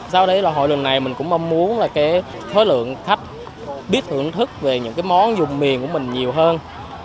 sau đấy là hội lần này mình cũng mong muốn khối lượng khách biết thưởng thức về những món dùng miền của mình nhiều hơn